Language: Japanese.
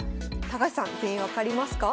高橋さん全員分かりますか？